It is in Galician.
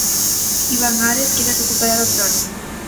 Iván Ares quere recuperar o trono.